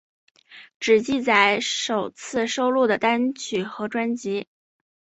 只记载首次收录的单曲和专辑。